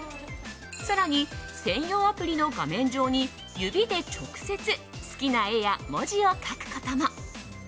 更に、専用アプリの画面上に指で直接好きな絵や文字を書くことも。